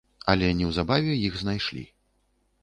Але неўзабаве іх знайшлі.